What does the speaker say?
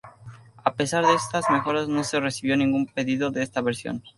A pesar de estas mejoras, no se recibió ningún pedido de esta versión.